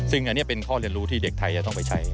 ซึ่งอันนี้เป็นข้อเรียนรู้ที่เด็กไทยจะต้องไปใช้